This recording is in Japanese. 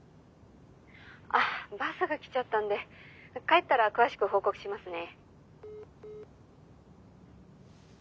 あっバスが来ちゃったんで帰ったら詳しく報告しますね。